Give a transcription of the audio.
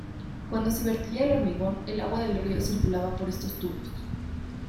Cuando se vertía el hormigón, el agua del río circulaba por estos tubos.